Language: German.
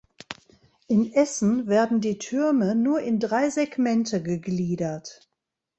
In Essen werden die Türme nur in drei Segmente gegliedert.